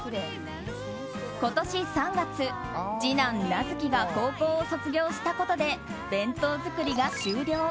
今年３月、次男・名月が高校を卒業したことで弁当作りが終了。